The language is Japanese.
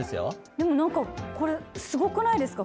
でも何かこれすごくないですか？